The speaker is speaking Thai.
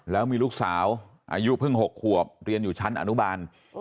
แล้วมีลูกสาวอายุเพิ่ง๖ขวบเรียนอยู่ชั้นอนุบาล